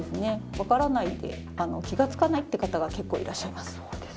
わからないで気がつかないって方が結構いらっしゃいます。